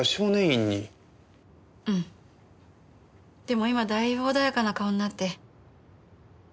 でも今はだいぶ穏やかな顔になって。